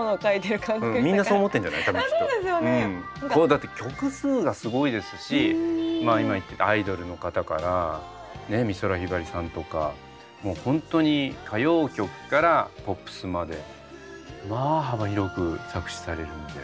だって曲数がすごいですし今言ってたアイドルの方から美空ひばりさんとかもうホントに歌謡曲からポップスまでまあ幅広く作詞されるんで。